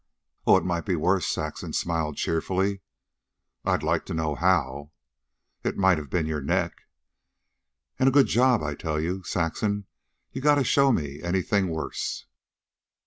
"Oh, it might be worse," Saxon smiled cheerfully. "I'd like to know how. "It might have been your neck." "An' a good job. I tell you, Saxon, you gotta show me anything worse."